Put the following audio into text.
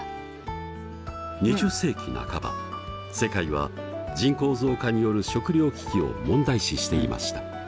２０世紀半ば世界は人口増加による食糧危機を問題視していました。